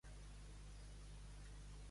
Morro amb cristallera.